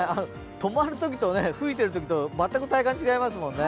止まるときと吹いているときと全く体感が違いますからね。